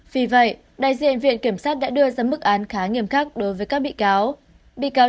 vì vậy đại diện viện kiểm sát đã đưa ra mức án khá nghiêm khắc đối với các bị cáo